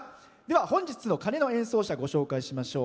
本日の鐘の演奏者ご紹介しましょう。